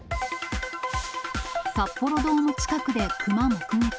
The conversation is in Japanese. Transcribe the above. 札幌ドーム近くでクマ目撃。